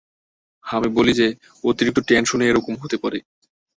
আমি বলি যে অতিরিক্ত টেনশনে এ-রকম হতে পারে।